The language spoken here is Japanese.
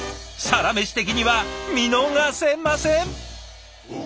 「サラメシ」的には見逃せません！